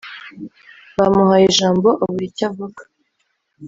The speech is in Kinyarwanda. bamuhaye ijambo abura icyo avuga